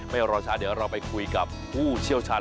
ไม่เอาร้อนชาติเดี๋ยวเราไปคุยกับผู้เชี่ยวชาติ